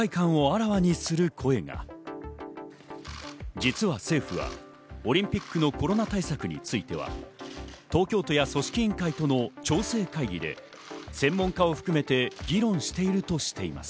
実は政府はオリンピックのコロナ対策については東京都や組織委員会との調整会議で専門家を含めて議論しているとしています。